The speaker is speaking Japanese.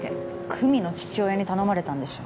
久実の父親に頼まれたんでしょ。